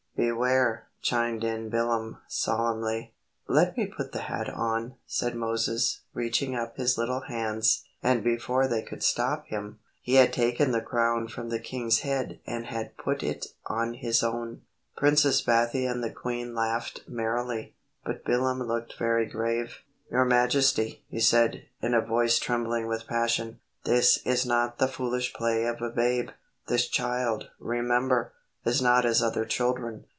"Beware," chimed in Bilam, solemnly. "Let me put the hat on," said Moses, reaching up his little hands, and before they could stop him, he had taken the crown from the king's head and had put it on his own. Princess Bathia and the queen laughed merrily, but Bilam looked very grave. "Your majesty," he said, in a voice trembling with passion, "this is not the foolish play of a babe. This child, remember, is not as other children.